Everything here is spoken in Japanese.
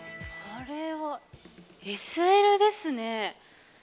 あれはＳＬですね。